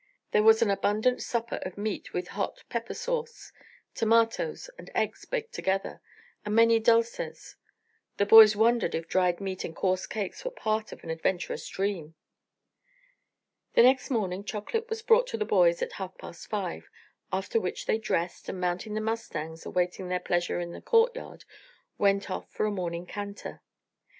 There was an abundant supper of meat with hot pepper sauce, tomatoes and eggs baked together, and many dulces. The boys wondered if dried meat and coarse cakes were part of an adventurous dream. The next morning chocolate was brought to the boys at half past five, after which they dressed, and mounting the mustangs awaiting their pleasure in the courtyard, went off for a morning canter.